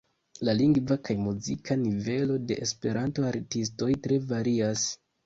La lingva kaj muzika nivelo de Esperanto-artistoj tre varias.